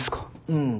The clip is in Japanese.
うん。